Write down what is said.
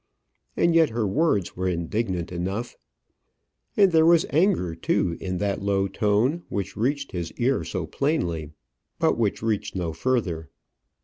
And yet her words were indignant enough, and there was anger, too, in that low tone which reached his ear so plainly, but which reached no further.